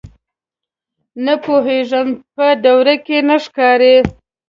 _نه پوهېږم، په دوړو کې نه ښکاري.